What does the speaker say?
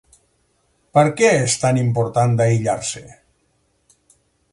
Per què és tan important d’aïllar-se?